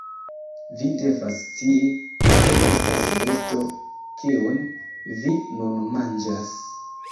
Vi devas scii, ke estas besto, kiun vi nun manĝas